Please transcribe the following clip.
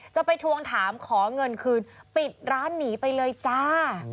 จะไปทวงถามขอเงินคืนปิดร้านหนีไปเลยจ้า